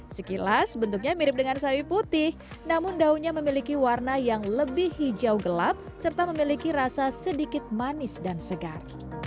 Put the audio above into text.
sekilas bentuknya mirip dengan sawi putih namun daunnya memiliki warna yang lebih hijau gelap serta memiliki rasa sedikit manis dan segar